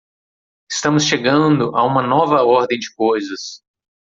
Estamos chegando a uma nova ordem de coisas.